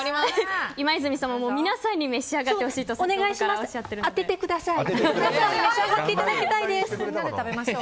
今泉さんも、皆さんに召し上がってほしいとおっしゃっているので。